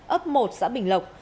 ấp một xã bình lộc